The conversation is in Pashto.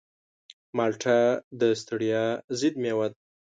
مالټه د ستړیا ضد مېوه ده.